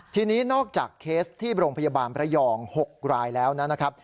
ทีนี้นอกจากเคสที่โรงพยาบาลประยอง๖รายแล้วนะครับ